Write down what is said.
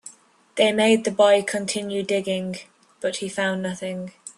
They made the boy continue digging, but he found nothing.